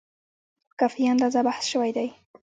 په کافي اندازه بحث شوی دی.